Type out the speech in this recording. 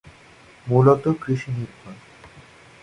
মূলত কৃৃৃৃষিনির্ভর।